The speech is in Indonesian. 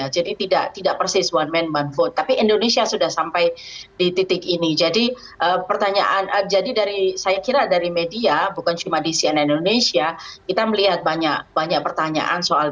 jadi tidak persis one man one vote tapi indonesia sudah sampai di titik ini jadi pertanyaan jadi saya kira dari media bukan cuma di cnn indonesia kita melihat banyak pertanyaan